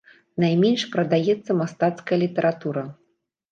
Найменш прадаецца мастацкая літаратура.